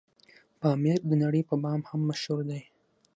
پامير دنړۍ په بام هم مشهور دی